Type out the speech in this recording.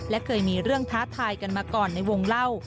และเคยมีเรื่องท้าทายกันมาก่อนในวงเล่า